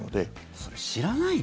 それ知らないね。